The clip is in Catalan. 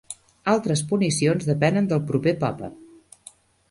Altres punicions depenen del proper Papa.